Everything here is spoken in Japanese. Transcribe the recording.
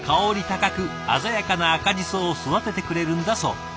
高く鮮やかな赤ジソを育ててくれるんだそう。